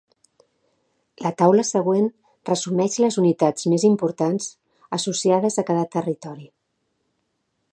La taula següent resumeix les unitats més importants, associades a cada territori.